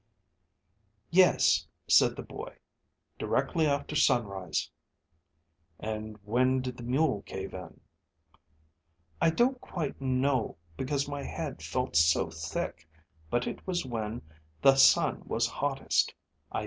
"Yes," said the boy; "directly after sunrise." "And when did the mule cave in?" "I don't quite know, because my head felt so thick; but it was when the sun was hottest.